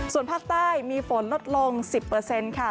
ส่วนภาคใต้มีฝนลดลง๑๐ค่ะ